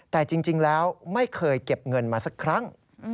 แต่จริงแล้วไม่เคยเก็บเงินมาสักครั้ง